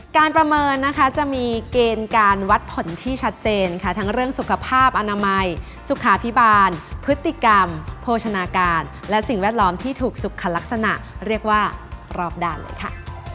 ประเมินนะคะจะมีเกณฑ์การวัดผลที่ชัดเจนค่ะทั้งเรื่องสุขภาพอนามัยสุขาพิบาลพฤติกรรมโภชนาการและสิ่งแวดล้อมที่ถูกสุขลักษณะเรียกว่ารอบด้านเลยค่ะ